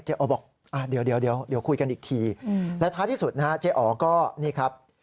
อ๋อบอกเดี๋ยวคุยกันอีกทีและท้ายที่สุดนะฮะเจ๊อ๋อก็นี่ครับ